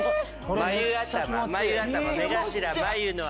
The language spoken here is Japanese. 眉頭眉頭目頭眉の頭。